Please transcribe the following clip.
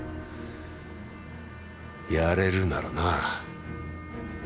やれるならな。